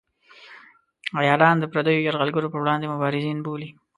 عیاران د پردیو یرغلګرو پر وړاندې مبارزین بولي.